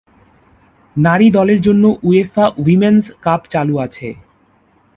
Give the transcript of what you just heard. নারী দলের জন্য উয়েফা উইমেন’স কাপ চালু আছে।